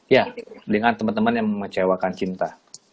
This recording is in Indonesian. ya dengan teman teman yang mengecewakan cinta